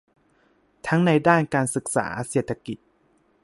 ทั้งในด้านการศึกษา เศรษฐกิจ